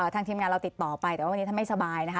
ทีมงานเราติดต่อไปแต่ว่าวันนี้ท่านไม่สบายนะคะ